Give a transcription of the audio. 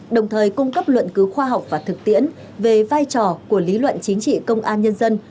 đồng thời cung cấp luận cứu khoa học và thực tiễn về vai trò của lý luận chính trị công an nhân dân